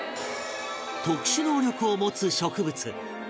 特殊能力を持つ植物タラヨウ